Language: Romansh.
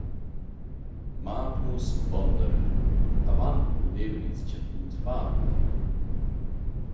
Magnus Bonderer: «Avant pudaivan ils chantuns far quai.